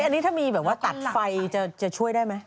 อันนี้ถ้ามีแบบว่าตัดไฟจะช่วยได้ไหม